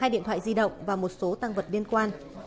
hai điện thoại di động và một số tăng vật liên quan